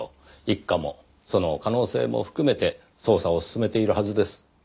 一課もその可能性も含めて捜査を進めているはずです。